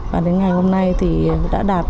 và đến ngày hôm nay thì đã đạt